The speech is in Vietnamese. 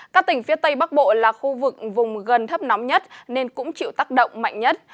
các tỉnh phía tây bắc bộ là khu vực vùng gần thấp nóng nhất nên cũng chịu tác động mạnh nhất